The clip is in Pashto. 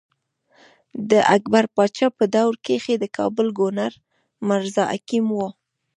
د اکبر باچا په دور کښې د کابل ګورنر مرزا حکيم وو۔